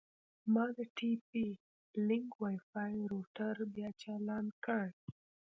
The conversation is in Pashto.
ما د ټي پي لینک وای فای روټر بیا چالان کړ.